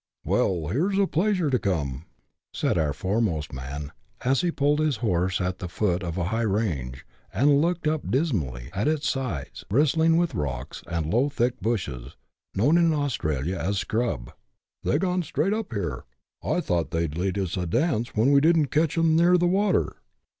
" Well, here's a pleasure to come," said our foremost man, as he pulled in his horse at the foot of a high range, and looked up dismally at its sides, bristling with rocks, and low, thick bushes, known in Australia as " scrub ;"" they're gone straight up here. I thought they'd lead us a dance when we didn't catch them near the water."